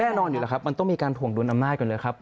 แน่นอนอยู่แล้วครับมันต้องมีการถ่วงดุลอำนาจก่อนเลยครับ